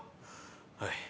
はい。